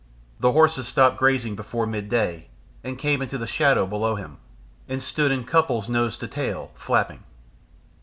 The horses stopped grazing before midday, and came into the shadow below him, and stood in couples nose to tail, flapping.